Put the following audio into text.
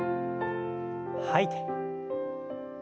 吐いて。